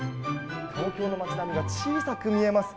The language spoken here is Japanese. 東京の街並みが小さく見えます。